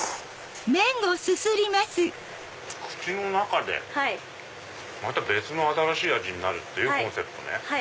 口の中でまた別の新しい味になるっていうコンセプトね。